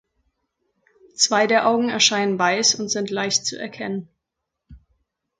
Zwei der Augen erscheinen weiß und sind leicht zu erkennen.